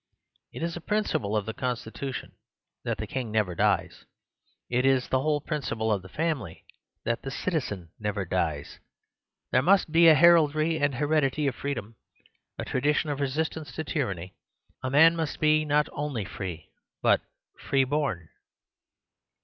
It is a principle of the constitution that the King never dies. It is the whole principle of the family that the citizen never dies. There must be a heraldry and heredity of freedom ; a tradition of resistance to tyranny. A man must be not only free, but free born.